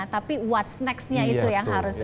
tapi what s next nya itu yang harus